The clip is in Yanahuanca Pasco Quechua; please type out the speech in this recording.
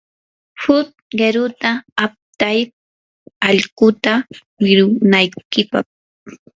huk qiruta aptay allquta wirunaykipaq.